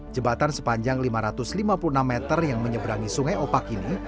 jembatan sepanjang lima ratus lima puluh enam meter yang menyeberangi sungai opak ini